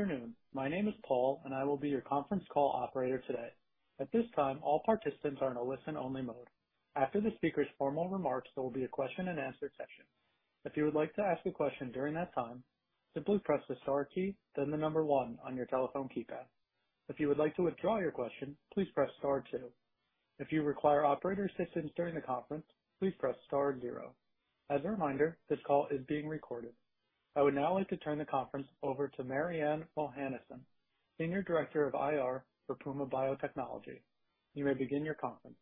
Afternoon. My name is Paul, and I will be your conference call operator today. At this time, all participants are in a listen-only mode. After the speaker's formal remarks, there will be a question and answer session. If you would like to ask a question during that time, simply press the star key, then the number one on your telephone keypad. If you would like to withdraw your question, please press star two. If you require operator assistance during the conference, please press star zero. As a reminder, this call is being recorded. I would now like to turn the conference over to Mariann Ohanesian, Senior Director of IR for Puma Biotechnology. You may begin your conference.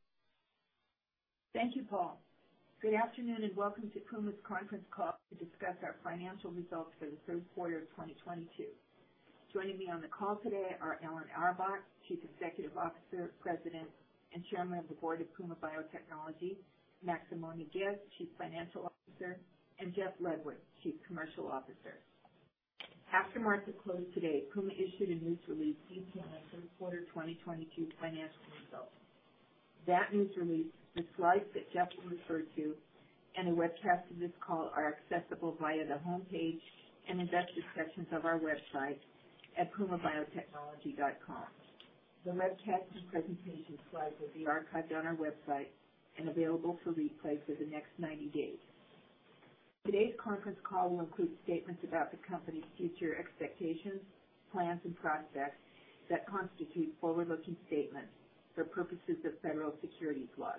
Thank you, Paul. Good afternoon, and welcome to Puma's conference call to discuss our financial results for the third quarter of 2022. Joining me on the call today are Alan Auerbach, Chief Executive Officer, President, and Chairman of the Board of Puma Biotechnology, Maximo F. Nougués, Chief Financial Officer, and Jeff Ludwig, Chief Commercial Officer. After market closed today, Puma issued a news release detailing the third quarter of 2022 financial results. That news release, the slides that Jeff will refer to, and the webcast of this call are accessible via the homepage in investor sections of our website at pumabiotechnology.com. The webcast and presentation slides will be archived on our website and available for replay for the next 90 days. Today's conference call will include statements about the company's future expectations, plans, and projects that constitute forward-looking statements for purposes of federal securities laws.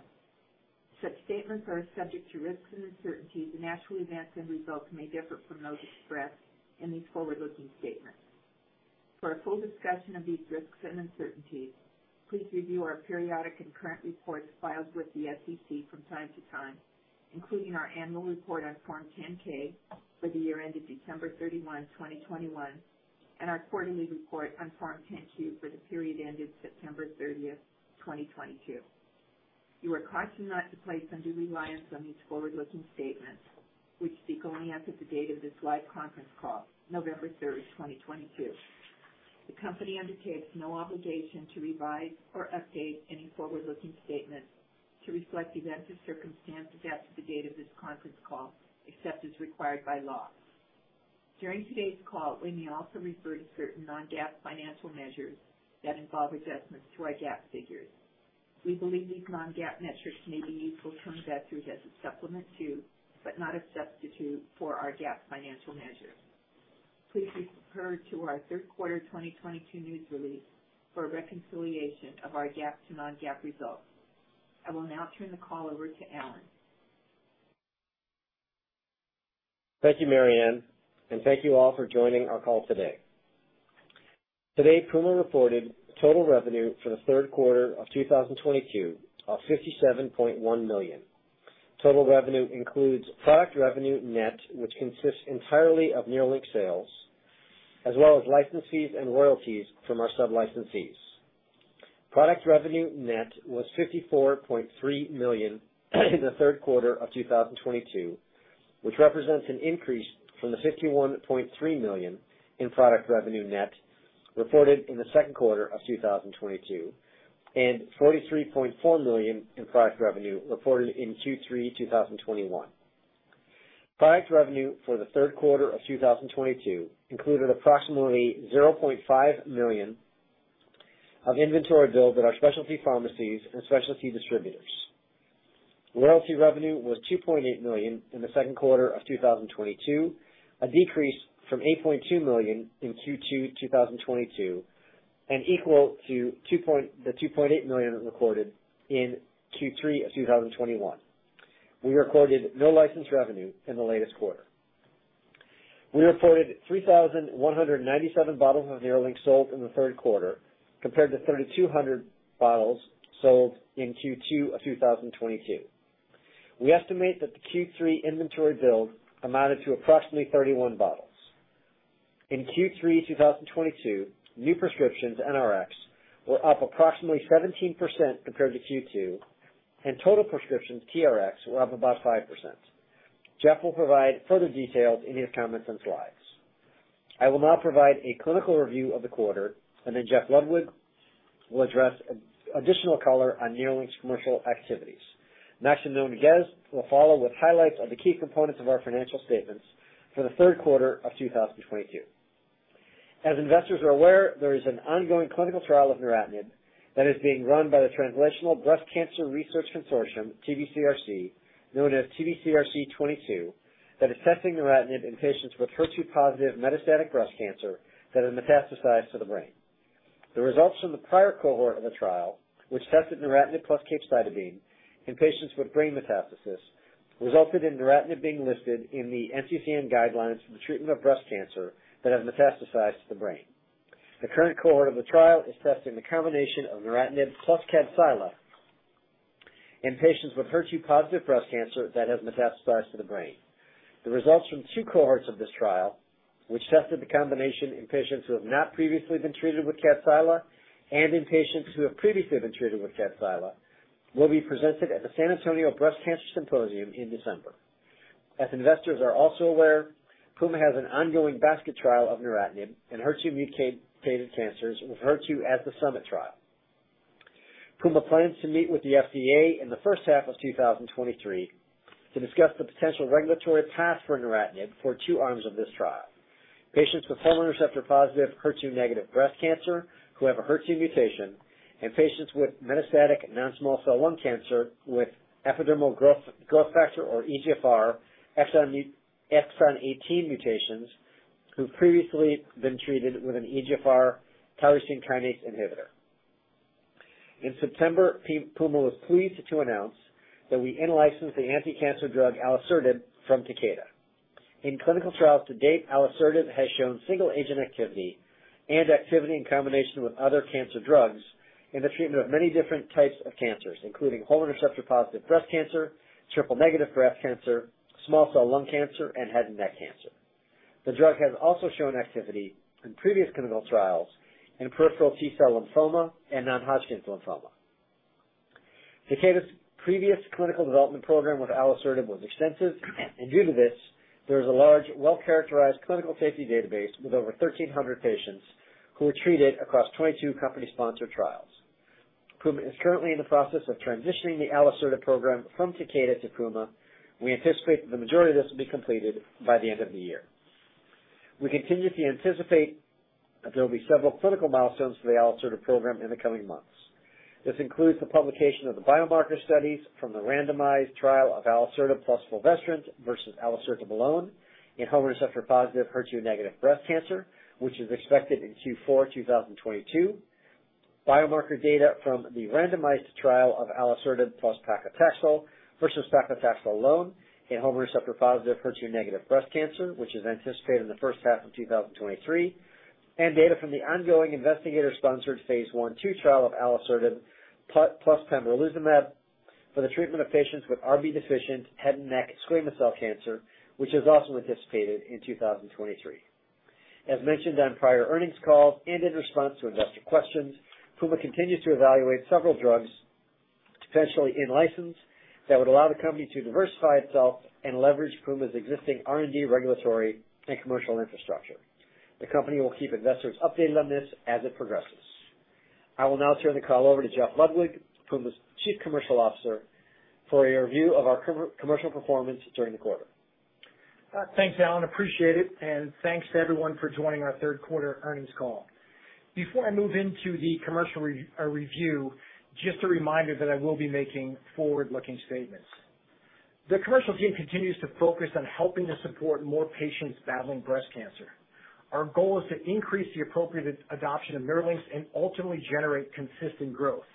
Such statements are subject to risks and uncertainties, and actual events and results may differ from those expressed in these forward-looking statements. For a full discussion of these risks and uncertainties, please review our periodic and current reports filed with the SEC from time to time, including our annual report on Form 10-K for the year ended December 31, 2021, and our quarterly report on Form 10-Q for the period ended September 30, 2022. You are cautioned not to place undue reliance on these forward-looking statements, which speak only as of the date of this live conference call, November 30, 2022. The company undertakes no obligation to revise or update any forward-looking statements to reflect events or circumstances as of the date of this conference call, except as required by law. During today's call, we may also refer to certain non-GAAP financial measures that involve adjustments to our GAAP figures. We believe these non-GAAP metrics may be useful to investors as a supplement to, but not a substitute for, our GAAP financial measures. Please refer to our third quarter 2022 news release for a reconciliation of our GAAP to non-GAAP results. I will now turn the call over to Alan. Thank you, Mariann, and thank you all for joining our call today. Today, Puma reported total revenue for the third quarter of 2022 of $57.1 million. Total revenue includes product revenue net, which consists entirely of NERLYNX sales, as well as license fees and royalties from our sub-licensees. Product revenue net was $54.3 million in the third quarter of 2022, which represents an increase from the $51.3 million in product revenue net reported in the second quarter of 2022 and $43.4 million in product revenue reported in Q3 2021. Product revenue for the third quarter of 2022 included approximately $0.5 million of inventory build at our specialty pharmacies and specialty distributors. Royalty revenue was $2.8 million in the second quarter of 2022, a decrease from $8.2 million in Q2 2022 and equal to the $2.8 million recorded in Q3 2021. We recorded no license revenue in the latest quarter. We reported 3,197 bottles of NERLYNX sold in the third quarter compared to 3,200 bottles sold in Q2 of 2022. We estimate that the Q3 inventory build amounted to approximately 31 bottles. In Q3 2022, new prescriptions, NRX, were up approximately 17% compared to Q2, and total prescriptions, TRX, were up about 5%. Jeff will provide further details in his comments and slides. I will now provide a clinical review of the quarter, and then Jeff Ludwig will address additional color on NERLYNX's commercial activities. Maximo F. Nougués will follow with highlights of the key components of our financial statements for the third quarter of 2022. As investors are aware, there is an ongoing clinical trial of neratinib that is being run by the Translational Breast Cancer Research Consortium, TBCRC, known as TBCRC 022, that is testing neratinib in patients with HER2-positive metastatic breast cancer that has metastasized to the brain. The results from the prior cohort of the trial, which tested neratinib plus capecitabine in patients with brain metastasis, resulted in neratinib being listed in the NCCN guidelines for the treatment of breast cancer that has metastasized to the brain. The current cohort of the trial is testing the combination of neratinib plus KADCYLA in patients with HER2-positive breast cancer that has metastasized to the brain. The results from two cohorts of this trial, which tested the combination in patients who have not previously been treated with KADCYLA and in patients who have previously been treated with KADCYLA, will be presented at the San Antonio Breast Cancer Symposium in December. As investors are also aware, Puma has an ongoing basket trial of neratinib in HER2-mutated cancers with the SUMMIT trial. Puma plans to meet with the FDA in the first half of 2023 to discuss the potential regulatory path for neratinib for two arms of this trial. Patients with hormone receptor-positive, HER2-negative breast cancer who have a HER2 mutation and patients with metastatic non-small cell lung cancer with epidermal growth factor or EGFR exon 18 mutations who've previously been treated with an EGFR tyrosine kinase inhibitor. In September, Puma was pleased to announce that we in-licensed the anticancer drug alisertib from Takeda. In clinical trials to date, alisertib has shown single-agent activity and activity in combination with other cancer drugs in the treatment of many different types of cancers, including hormone receptor-positive breast cancer, triple-negative breast cancer, small cell lung cancer, and head and neck cancer. The drug has also shown activity in previous clinical trials in peripheral T-cell lymphoma and non-Hodgkin's lymphoma. Takeda's previous clinical development program with alisertib was extensive, and due to this, there is a large well-characterized clinical safety database with over 1,300 patients who were treated across 22 company-sponsored trials. Puma is currently in the process of transitioning the alisertib program from Takeda to Puma. We anticipate that the majority of this will be completed by the end of the year. We continue to anticipate that there will be several clinical milestones for the alisertib program in the coming months. This includes the publication of the biomarker studies from the randomized trial of alisertib plus fulvestrant versus alisertib alone in hormone receptor-positive, HER2-negative breast cancer, which is expected in Q4 2022. Biomarker data from the randomized trial of alisertib plus paclitaxel versus paclitaxel alone in hormone receptor-positive, HER2-negative breast cancer, which is anticipated in the first half of 2023. Data from the ongoing investigator-sponsored Phase 1/2 trial of alisertib plus pembrolizumab for the treatment of patients with RB-deficient head and neck squamous cell cancer, which is also anticipated in 2023. As mentioned on prior earnings calls and in response to investor questions, Puma continues to evaluate several drugs, potentially in-license, that would allow the company to diversify itself and leverage Puma's existing R&D regulatory and commercial infrastructure. The company will keep investors updated on this as it progresses. I will now turn the call over to Jeff Ludwig, Puma's Chief Commercial Officer, for a review of our commercial performance during the quarter. Thanks, Alan, appreciate it, and thanks to everyone for joining our third quarter earnings call. Before I move into the commercial review, just a reminder that I will be making forward-looking statements. The commercial team continues to focus on helping to support more patients battling breast cancer. Our goal is to increase the appropriate adoption of NERLYNX and ultimately generate consistent growth.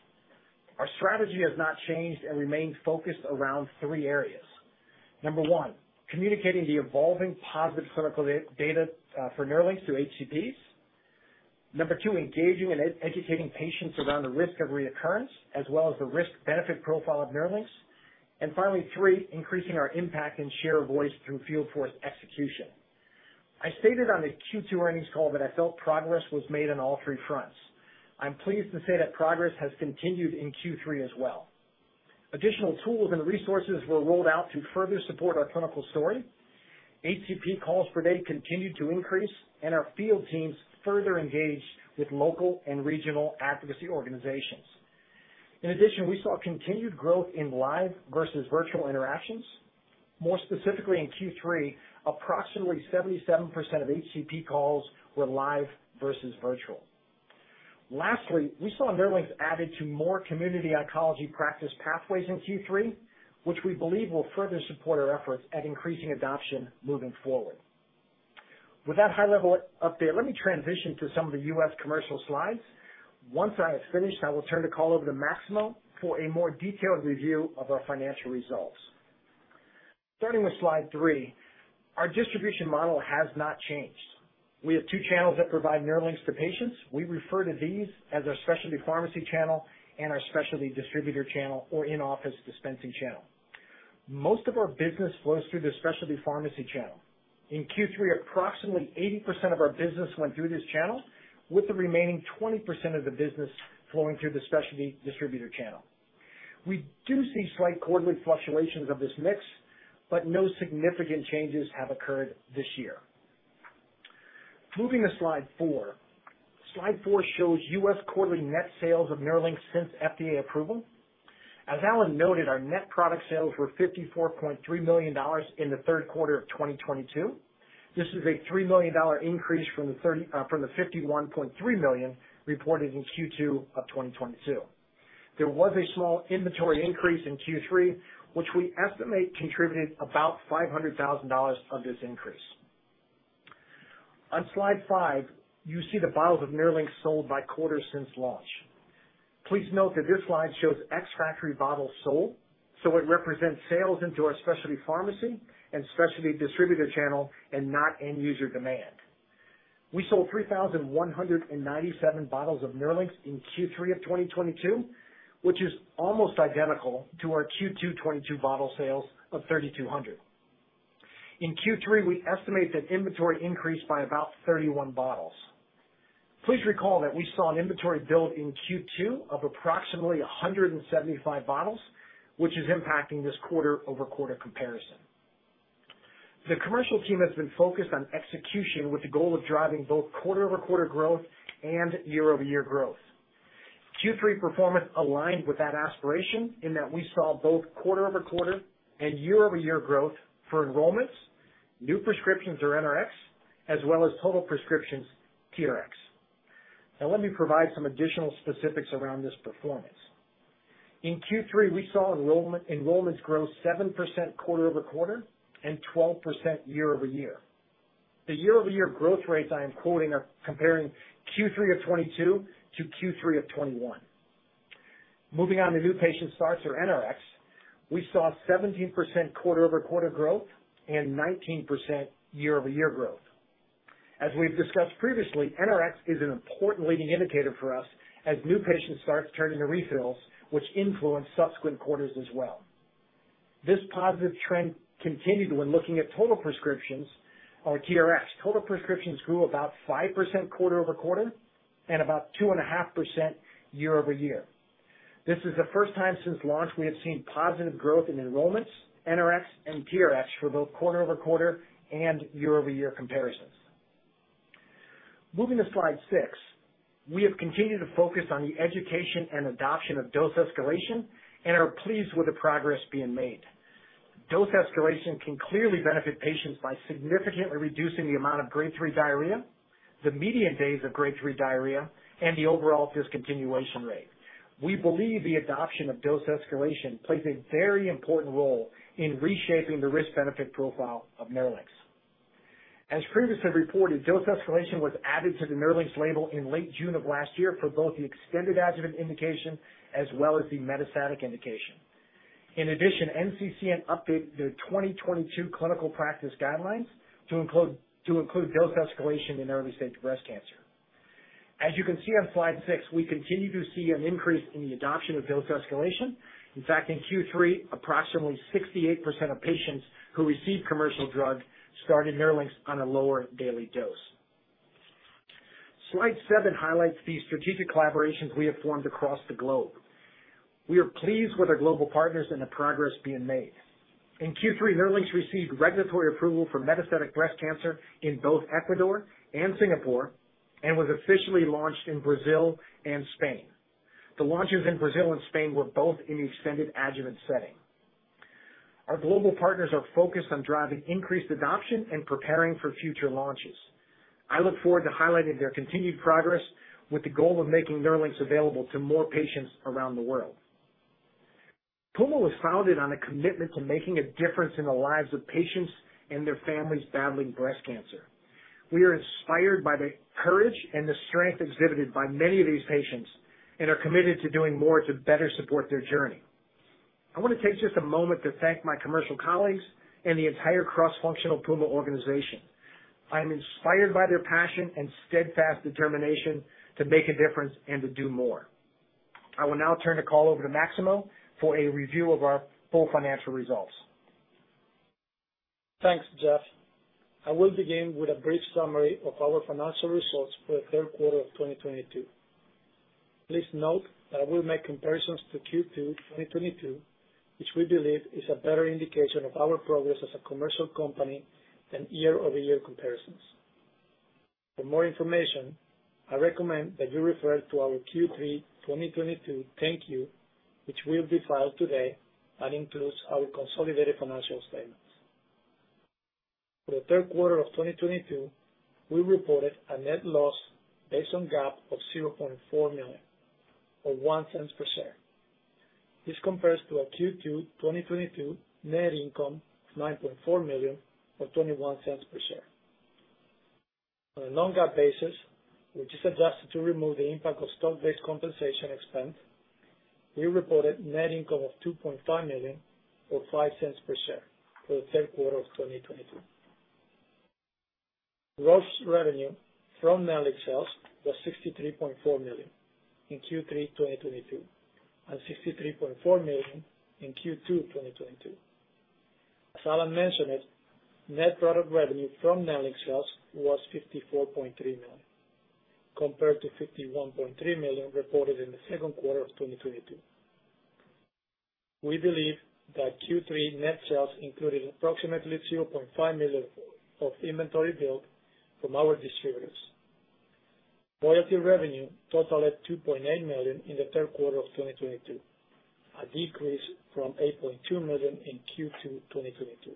Our strategy has not changed and remains focused around three areas. Number one, communicating the evolving positive clinical data for NERLYNX through HCPs. Number two, engaging and educating patients around the risk of recurrence, as well as the risk-benefit profile of NERLYNX. And finally, three, increasing our impact and share of voice through field force execution. I stated on the Q2 earnings call that I felt progress was made on all three fronts. I'm pleased to say that progress has continued in Q3 as well. Additional tools and resources were rolled out to further support our clinical story. HCP calls per day continued to increase, and our field teams further engaged with local and regional advocacy organizations. In addition, we saw continued growth in live versus virtual interactions. More specifically, in Q3, approximately 77% of HCP calls were live versus virtual. Lastly, we saw NERLYNX added to more community oncology practice pathways in Q3, which we believe will further support our efforts at increasing adoption moving forward. With that high-level update, let me transition to some of the U.S. commercial slides. Once I have finished, I will turn the call over to Maximo for a more detailed review of our financial results. Starting with slide 3, our distribution model has not changed. We have two channels that provide NERLYNX to patients. We refer to these as our specialty pharmacy channel and our specialty distributor channel or in-office dispensing channel. Most of our business flows through the specialty pharmacy channel. In Q3, approximately 80% of our business went through this channel, with the remaining 20% of the business flowing through the specialty distributor channel. We do see slight quarterly fluctuations of this mix, but no significant changes have occurred this year. Moving to slide 4. Slide 4 shows U.S. quarterly net sales of NERLYNX since FDA approval. As Alan noted, our net product sales were $54.3 million in the third quarter of 2022. This is a $3 million increase from the $51.3 million reported in Q2 of 2022. There was a small inventory increase in Q3, which we estimate contributed about $500,000 of this increase. On slide five, you see the bottles of NERLYNX sold by quarter since launch. Please note that this slide shows ex-factory bottles sold, so it represents sales into our specialty pharmacy and specialty distributor channel and not end-user demand. We sold 3,197 bottles of NERLYNX in Q3 of 2022, which is almost identical to our Q2 2022 bottle sales of 3,200. In Q3, we estimate that inventory increased by about 31 bottles. Please recall that we saw an inventory build in Q2 of approximately 175 bottles, which is impacting this quarter-over-quarter comparison. The commercial team has been focused on execution with the goal of driving both quarter-over-quarter growth and year-over-year growth. Q3 performance aligned with that aspiration in that we saw both quarter-over-quarter and year-over-year growth for enrollments, new prescriptions or NRX, as well as total prescriptions, TRX. Now let me provide some additional specifics around this performance. In Q3, we saw enrollment, enrollments grow 7% quarter-over-quarter and 12% year-over-year. The year-over-year growth rates I am quoting are comparing Q3 of 2022 to Q3 of 2021. Moving on to new patient starts or NRX, we saw 17% quarter-over-quarter growth and 19% year-over-year growth. As we've discussed previously, NRX is an important leading indicator for us as new patients start turning to refills which influence subsequent quarters as well. This positive trend continued when looking at total prescriptions or TRX. Total prescriptions grew about 5% quarter-over-quarter and about 2.5% year-over-year. This is the first time since launch we have seen positive growth in enrollments, NRX, and TRX for both quarter-over-quarter and year-over-year comparisons. Moving to slide 6. We have continued to focus on the education and adoption of dose escalation and are pleased with the progress being made. Dose escalation can clearly benefit patients by significantly reducing the amount of grade 3 diarrhea, the median days of grade 3 diarrhea, and the overall discontinuation rate. We believe the adoption of dose escalation plays a very important role in reshaping the risk benefit profile of NERLYNX. As previously reported, dose escalation was added to the NERLYNX label in late June of last year for both the extended adjuvant indication as well as the metastatic indication. In addition, NCCN updated their 2022 clinical practice guidelines to include dose escalation in early stage breast cancer. As you can see on slide 6, we continue to see an increase in the adoption of dose escalation. In fact, in Q3, approximately 68% of patients who received commercial drug started NERLYNX on a lower daily dose. Slide 7 highlights the strategic collaborations we have formed across the globe. We are pleased with our global partners and the progress being made. In Q3, NERLYNX received regulatory approval for metastatic breast cancer in both Ecuador and Singapore, and was officially launched in Brazil and Spain. The launches in Brazil and Spain were both in the extended adjuvant setting. Our global partners are focused on driving increased adoption and preparing for future launches. I look forward to highlighting their continued progress with the goal of making NERLYNX available to more patients around the world. Puma was founded on a commitment to making a difference in the lives of patients and their families battling breast cancer. We are inspired by the courage and the strength exhibited by many of these patients and are committed to doing more to better support their journey. I wanna take just a moment to thank my commercial colleagues and the entire cross-functional Puma organization. I am inspired by their passion and steadfast determination to make a difference and to do more. I will now turn the call over to Maximo for a review of our full financial results. Thanks, Jeff. I will begin with a brief summary of our financial results for the third quarter of 2022. Please note that I will make comparisons to Q2 2022, which we believe is a better indication of our progress as a commercial company than year-over-year comparisons. For more information, I recommend that you refer to our Q3 2022 10-Q, which will be filed today and includes our consolidated financial statements. For the third quarter of 2022, we reported a net loss based on GAAP of $0.4 million or $0.01 per share. This compares to our Q2 2022 net income of $9.4 million or $0.21 per share. On a non-GAAP basis, which is adjusted to remove the impact of stock-based compensation expense, we reported net income of $2.5 million or $0.05 per share for the third quarter of 2022. Gross revenue from NERLYNX sales was $63.4 million in Q3 2022 and $63.4 million in Q2 2022. As Alan mentioned it, net product revenue from NERLYNX sales was $54.3 million, compared to $51.3 million reported in the second quarter of 2022. We believe that Q3 net sales included approximately $0.5 million of inventory build from our distributors. Royalty revenue totaled $2.8 million in the third quarter of 2022, a decrease from $8.2 million in Q2 2022.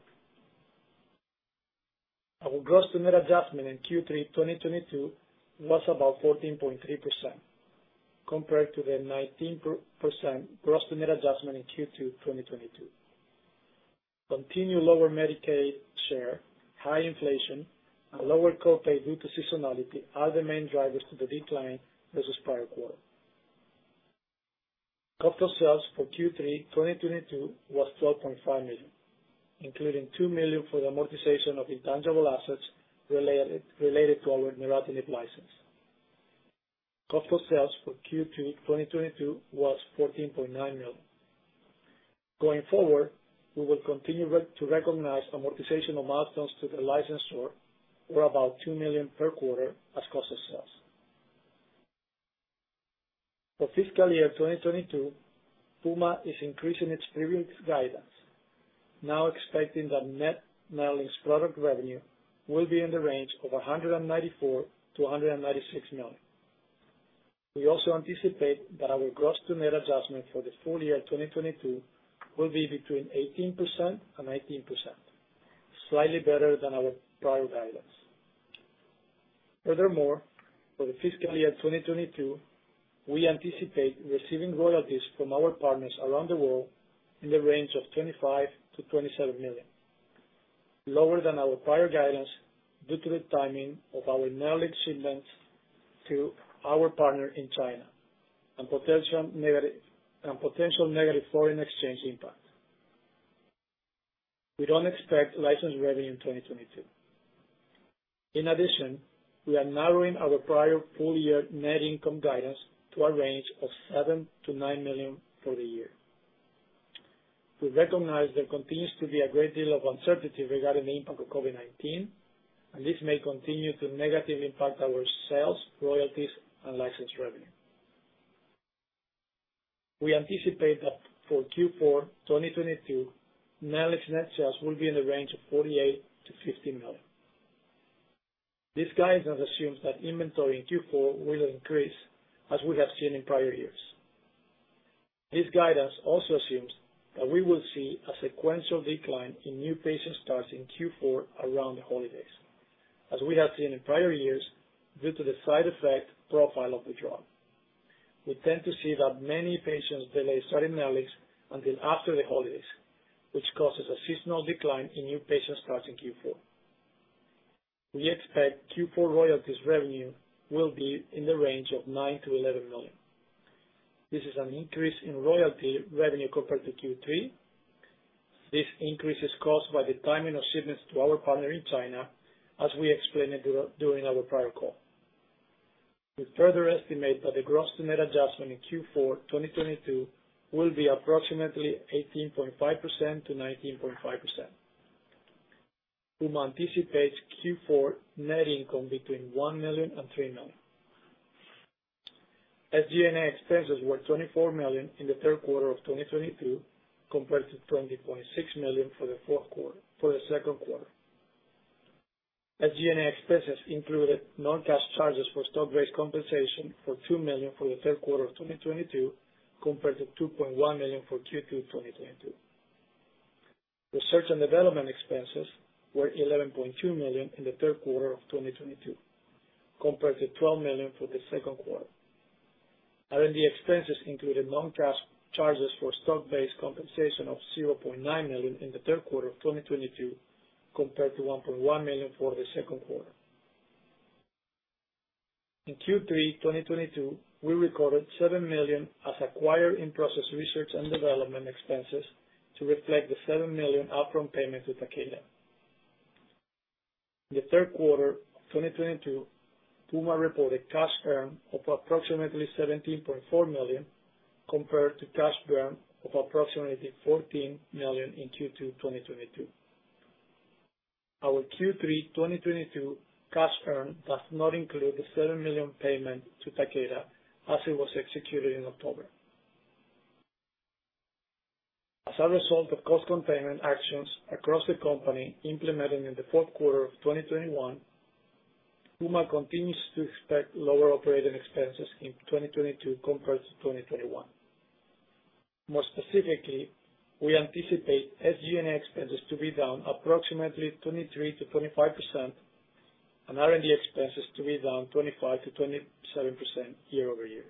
Our gross to net adjustment in Q3 2022 was about 14.3% compared to the 19% gross to net adjustment in Q2 2022. Continued lower Medicaid share, high inflation, and lower co-pay due to seasonality are the main drivers to the decline versus prior quarter. Cost of sales for Q3 2022 was $12.5 million, including $2 million for the amortization of intangible assets related to our neratinib license. Cost of sales for Q2 2022 was $14.9 million. Going forward, we will continue to recognize amortization of milestones to the license for about $2 million per quarter as cost of sales. For fiscal year 2022, Puma is increasing its previous guidance, now expecting that net NERLYNX product revenue will be in the range of $194 million-$196 million. We also anticipate that our gross to net adjustment for the full year 2022 will be between 18% and 19%, slightly better than our prior guidance. Furthermore, for the fiscal year 2022, we anticipate receiving royalties from our partners around the world in the range of $25-$27 million. Lower than our prior guidance due to the timing of our NERLYNX shipments to our partner in China and potential negative foreign exchange impact. We don't expect license revenue in 2022. In addition, we are narrowing our prior full year net income guidance to a range of $7-$9 million for the year. We recognize there continues to be a great deal of uncertainty regarding the impact of COVID-19, and this may continue to negatively impact our sales, royalties, and license revenue. We anticipate that for Q4 2022, NERLYNX net sales will be in the range of $48 million-$50 million. This guidance assumes that inventory in Q4 will increase, as we have seen in prior years. This guidance also assumes that we will see a sequential decline in new patient starts in Q4 around the holidays, as we have seen in prior years due to the side effect profile of the drug. We tend to see that many patients delay starting NERLYNX until after the holidays, which causes a seasonal decline in new patient starts in Q4. We expect Q4 royalties revenue will be in the range of $9 million-$11 million. This is an increase in royalty revenue compared to Q3. This increase is caused by the timing of shipments to our partner in China as we explained it during our prior call. We further estimate that the gross to net adjustment in Q4 2022 will be approximately 18.5%-19.5%. Puma anticipates Q4 net income between $1 million-$3 million. SG&A expenses were $24 million in the third quarter of 2022, compared to $20.6 million for the second quarter. SG&A expenses included non-cash charges for stock-based compensation for $2 million for the third quarter of 2022, compared to $2.1 million for Q2 2022. Research and development expenses were $11.2 million in the third quarter of 2022, compared to $12 million for the second quarter. R&D expenses included non-cash charges for stock-based compensation of $0.9 million in the third quarter of 2022, compared to $1.1 million for the second quarter. In Q3 2022, we recorded $7 million as acquired in-process research and development expenses to reflect the $7 million upfront payment to Takeda. In the third quarter of 2022, Puma reported cash earned of approximately $17.4 million, compared to cash earned of approximately $14 million in Q2 2022. Our Q3 2022 cash earned does not include the $7 million payment to Takeda, as it was executed in October. As a result of cost containment actions across the company implemented in the fourth quarter of 2021, Puma continues to expect lower operating expenses in 2022 compared to 2021. More specifically, we anticipate SG&A expenses to be down approximately 23%-25% and R&D expenses to be down 25%-27% year over year.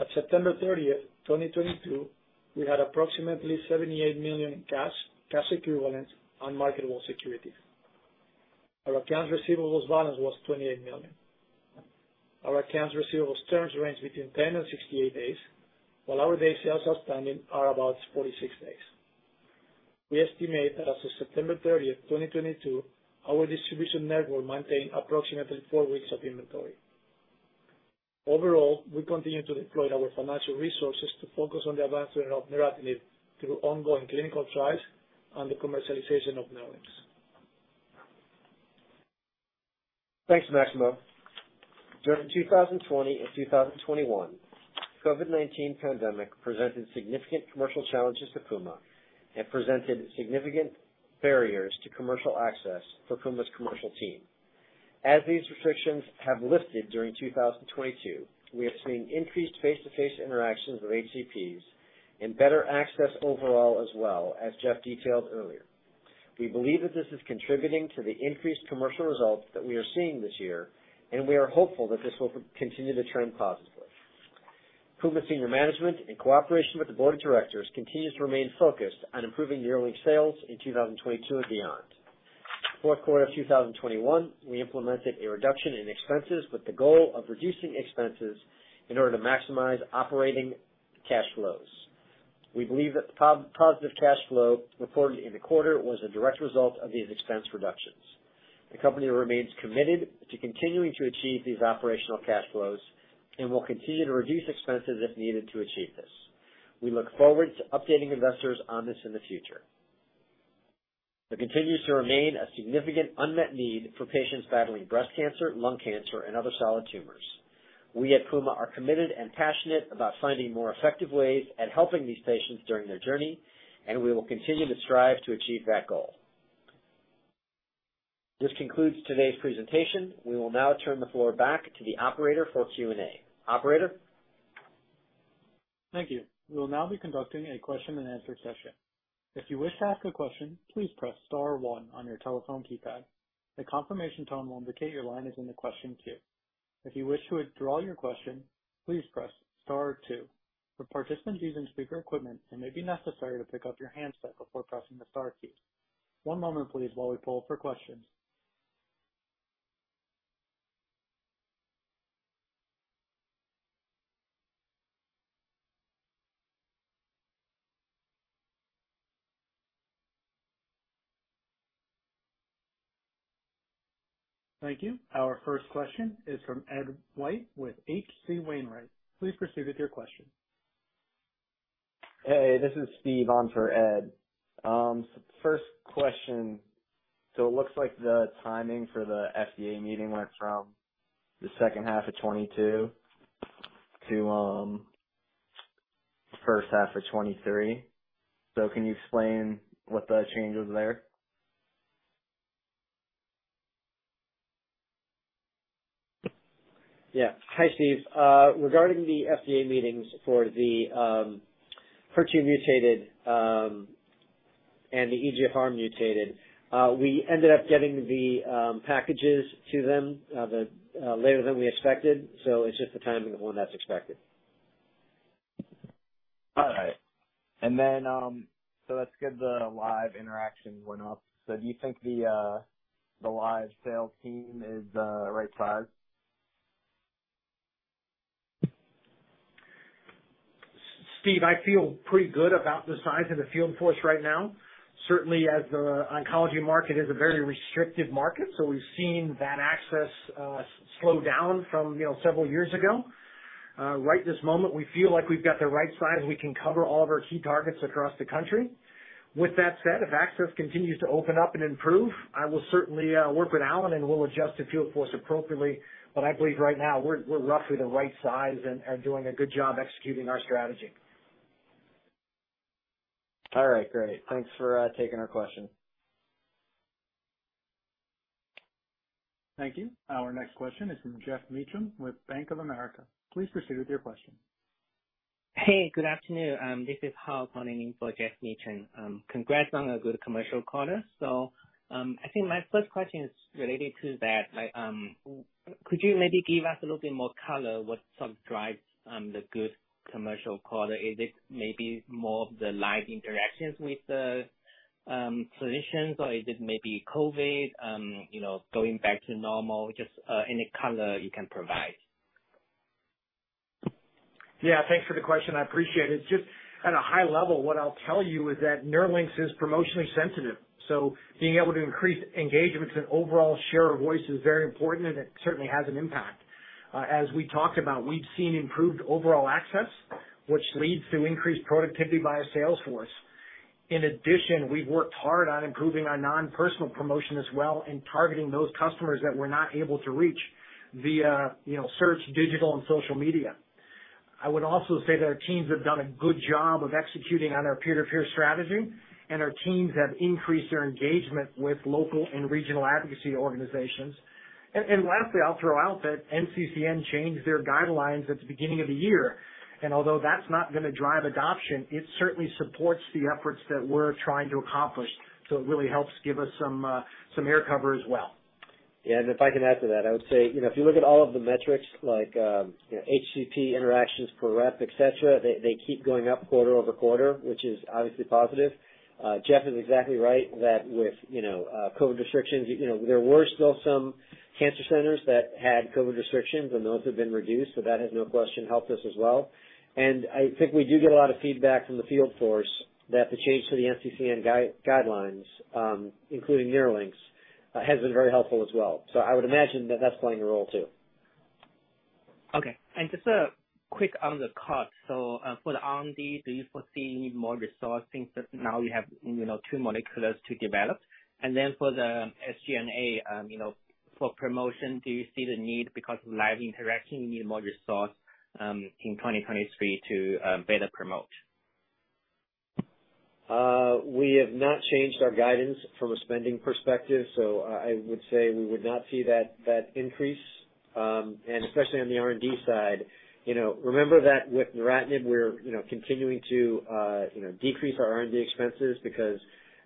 At September 30, 2022, we had approximately $78 million in cash equivalents, and marketable securities. Our accounts receivable balance was $28 million. Our accounts receivable terms range between 10 and 68 days, while our days sales outstanding are about 46 days. We estimate that as of September 30, 2022, our distribution network maintained approximately 4 weeks of inventory. Overall, we continue to deploy our financial resources to focus on the advancement of neratinib through ongoing clinical trials and the commercialization of NERLYNX. Thanks, Maximo. During 2020 and 2021, COVID-19 pandemic presented significant commercial challenges to Puma and presented significant barriers to commercial access for Puma's commercial team. As these restrictions have lifted during 2022, we have seen increased face-to-face interactions with HCPs and better access overall as well, as Jeff detailed earlier. We believe that this is contributing to the increased commercial results that we are seeing this year, and we are hopeful that this will continue to trend positively. Puma senior management, in cooperation with the board of directors, continues to remain focused on improving yearly sales in 2022 and beyond. Fourth quarter of 2021, we implemented a reduction in expenses with the goal of reducing expenses in order to maximize operating cash flows. We believe that the positive cash flow reported in the quarter was a direct result of these expense reductions. The company remains committed to continuing to achieve these operational cash flows and will continue to reduce expenses if needed to achieve this. We look forward to updating investors on this in the future. There continues to remain a significant unmet need for patients battling breast cancer, lung cancer and other solid tumors. We at Puma are committed and passionate about finding more effective ways at helping these patients during their journey, and we will continue to strive to achieve that goal. This concludes today's presentation. We will now turn the floor back to the operator for Q&A. Operator? Thank you. We will now be conducting a question-and-answer session. If you wish to ask a question, please press star one on your telephone keypad. The confirmation tone will indicate your line is in the question queue. If you wish to withdraw your question, please press star two. For participants using speaker equipment, it may be necessary to pick up your handset before pressing the star keys. One moment please, while we poll for questions. Thank you. Our first question is from Ed White with H.C. Wainwright. Please proceed with your question. Hey, this is Steve on for Ed. First question. It looks like the timing for the FDA meeting went from the second half of 2022 to first half of 2023. Can you explain what the change was there? Yeah. Hi, Steve. Regarding the FDA meetings for the HER2 mutated and the EGFR mutated, we ended up getting the packages to them later than we expected, so it's just the timing. That's one that's expected. All right. That's good, the live interaction went up. Do you think the live sales team is the right size? Steve, I feel pretty good about the size of the field force right now. Certainly, as the oncology market is a very restrictive market, so we've seen that access slow down from, you know, several years ago. Right this moment, we feel like we've got the right size, and we can cover all of our key targets across the country. With that said, if access continues to open up and improve, I will certainly work with Alan, and we'll adjust the field force appropriately. I believe right now, we're roughly the right size and doing a good job executing our strategy. All right, great. Thanks for taking our question. Thank you. Our next question is from Geoff Meacham with Bank of America. Please proceed with your question. Hey, good afternoon. This is Hal in for Geoff Meacham. Congrats on a good commercial quarter. I think my first question is related to that. Could you maybe give us a little bit more color what sort of drives the good commercial quarter? Is it maybe more of the live interactions with the physicians, or is it maybe COVID, you know, going back to normal? Just any color you can provide. Yeah, thanks for the question. I appreciate it. Just at a high level, what I'll tell you is that NERLYNX is promotionally sensitive, so being able to increase engagements and overall share of voice is very important, and it certainly has an impact. As we talked about, we've seen improved overall access, which leads to increased productivity by a sales force. In addition, we've worked hard on improving our non-personal promotion as well and targeting those customers that we're not able to reach via, you know, search, digital and social media. I would also say that our teams have done a good job of executing on our peer-to-peer strategy, and our teams have increased their engagement with local and regional advocacy organizations. Lastly, I'll throw out that NCCN changed their guidelines at the beginning of the year, and although that's not gonna drive adoption, it certainly supports the efforts that we're trying to accomplish. It really helps give us some air cover as well. Yeah, if I can add to that. I would say, you know, if you look at all of the metrics like, you know, HCP interactions per rep, et cetera, they keep going up quarter-over-quarter, which is obviously positive. Jeff is exactly right that with, you know, COVID restrictions, you know, there were still some cancer centers that had COVID restrictions, and those have been reduced. That has no question helped us as well. I think we do get a lot of feedback from the field force that the change to the NCCN guidelines, including NERLYNX, has been very helpful as well. I would imagine that that's playing a role too. Okay. Just a quick on the cost. For the R&D, do you foresee more resourcing since now you have, you know, two molecules to develop? For the SG&A, you know, for promotion, do you see the need because of live interaction, you need more resource, in 2023 to better promote? We have not changed our guidance from a spending perspective, so I would say we would not see that increase. Especially on the R&D side. You know, remember that with neratinib we're you know continuing to decrease our R&D expenses because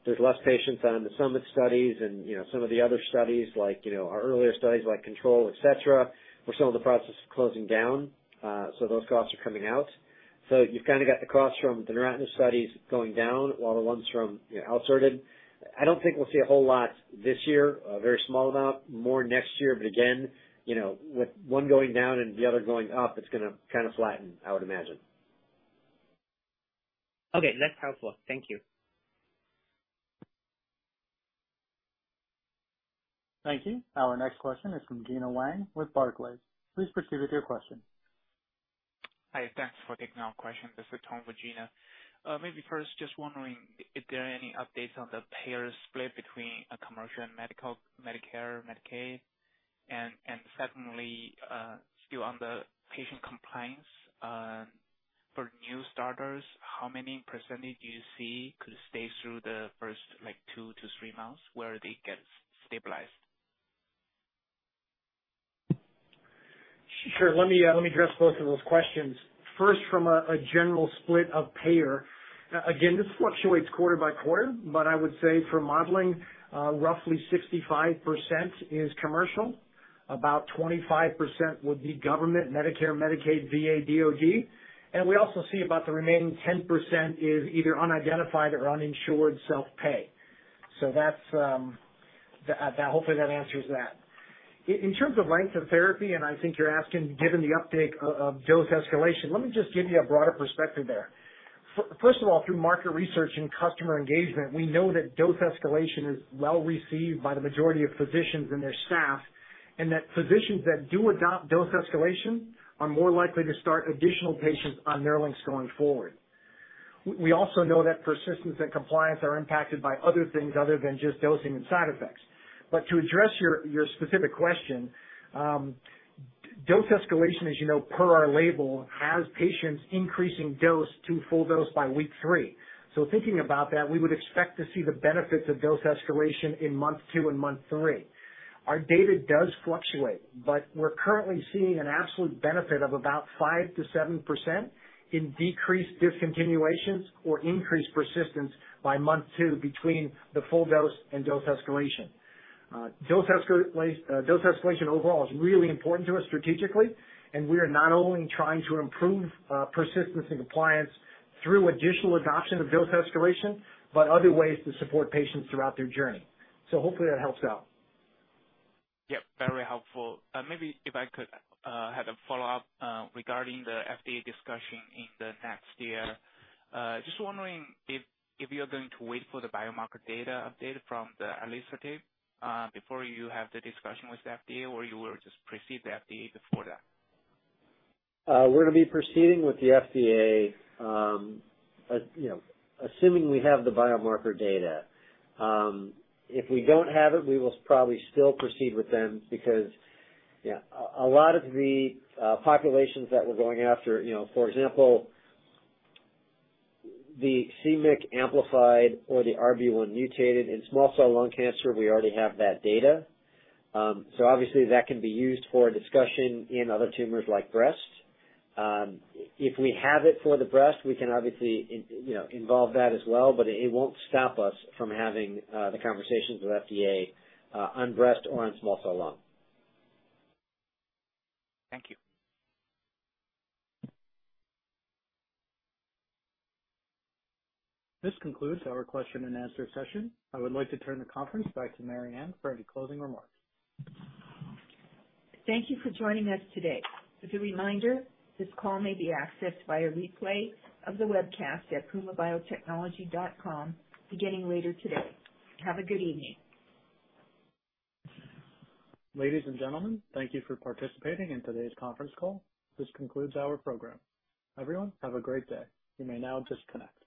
there's less patients on the SUMMIT studies and you know some of the other studies like you know our earlier studies like CONTROL, et cetera. We're still in the process of closing down, so those costs are coming out. You've kinda got the cost from the neratinib studies going down, while the ones from you know alisertib. I don't think we'll see a whole lot this year, a very small amount. More next year. Again you know with one going down and the other going up, it's gonna kinda flatten, I would imagine. Okay. That's helpful. Thank you. Thank you. Our next question is from Gena Wang with Barclays. Please proceed with your question. Hi. Thanks for taking our question. This is Tom with Gena. Maybe first just wondering if there are any updates on the payer split between commercial and Medicare, Medicaid. Secondly, still on the patient compliance, for new starters, how many percentage do you see could stay through the first like two to three months where they get stabilized? Sure. Let me address both of those questions. First, from a general split of payer. Again, this fluctuates quarter by quarter, but I would say for modeling, roughly 65% is commercial. About 25% would be government, Medicare, Medicaid, VA, DOD. We also see about the remaining 10% is either unidentified or uninsured self-pay. That's hopefully that answers that. In terms of length of therapy, and I think you're asking given the update of dose escalation, let me just give you a broader perspective there. First of all, through market research and customer engagement, we know that dose escalation is well received by the majority of physicians and their staff, and that physicians that do adopt dose escalation are more likely to start additional patients on NERLYNX going forward. We also know that persistence and compliance are impacted by other things other than just dosing and side effects. To address your specific question, dose escalation, as you know, per our label, has patients increasing dose to full dose by week three. Thinking about that, we would expect to see the benefits of dose escalation in month two and month three. Our data does fluctuate, but we're currently seeing an absolute benefit of about 5%-7% in decreased discontinuations or increased persistence by month two between the full dose and dose escalation. Dose escalation overall is really important to us strategically, and we are not only trying to improve persistence and compliance through additional adoption of dose escalation, but other ways to support patients throughout their journey. Hopefully that helps out. Yep, very helpful. Maybe if I could have a follow-up regarding the FDA discussion in the next year. Just wondering if you're going to wait for the biomarker data update from the alisertib before you have the discussion with the FDA or you will just proceed the FDA before that. We're gonna be proceeding with the FDA, you know, assuming we have the biomarker data. If we don't have it, we will probably still proceed with them because, yeah, a lot of the populations that we're going after, you know, for example, the c-MET amplified or the RB1 mutated in small cell lung cancer, we already have that data. Obviously that can be used for a discussion in other tumors like breast. If we have it for the breast, we can obviously, you know, involve that as well, but it won't stop us from having the conversations with FDA on breast or on small cell lung. Thank you. This concludes our question and answer session. I would like to turn the conference back to Mariann for any closing remarks. Thank you for joining us today. As a reminder, this call may be accessed by a replay of the webcast at pumabiotechnology.com beginning later today. Have a good evening. Ladies and gentlemen, thank you for participating in today's conference call. This concludes our program. Everyone, have a great day. You may now disconnect.